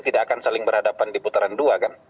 tidak akan saling berhadapan di putaran dua kan